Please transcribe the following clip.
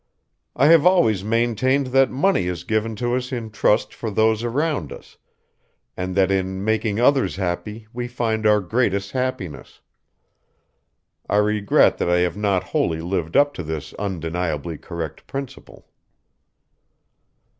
"I have always maintained that money is given to us in trust for those around us, and that in making others happy we find our greatest happiness. I regret that I have not wholly lived up to this undeniably correct principle."